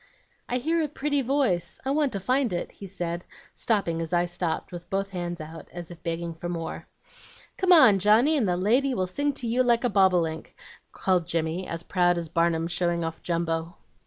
"'I hear a pretty voice, I want to find it,' he said, stopping as I stopped with both hands out as if begging for more. "'Come on. Johnny, and the lady will sing to you like a bobolink,' called Jimmy, as proud as Barnum showing off Jumbo.